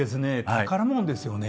宝物ですよね。